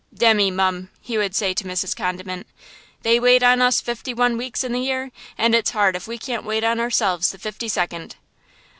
"Demmy, mum!" he would say to Mrs. Condiment, "they wait on us fifty one weeks in the year, and it's hard if we can't wait on ourselves the fifty second!"